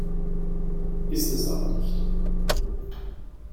Ist es aber nicht.